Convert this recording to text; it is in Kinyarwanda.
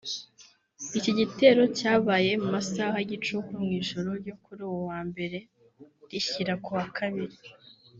Iki gitero cyabaye mu masaha y’ igicuku mu ijoro ryo kuri uyu wa Mbere rishyira ku wa Kabali